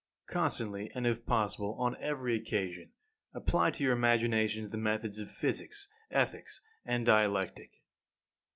13. Constantly, and, if possible, on every occasion, apply to your imaginations the methods of Physics, Ethics, and Dialectic.